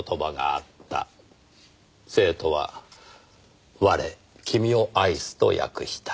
生徒は「我君を愛す」と訳した。